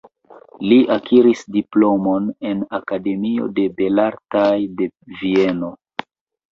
Li akiris diplomon en Akademio de Belartoj de Vieno.